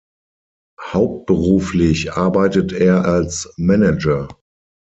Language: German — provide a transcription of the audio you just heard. Hauptberuflich arbeitet er als Manager.